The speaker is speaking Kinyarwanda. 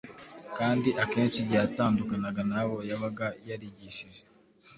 Kandi akenshi igihe yatandukanaga n’abo yabaga yarigishije